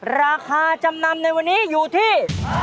ราคาจำนำในวันนี้อยู่ที่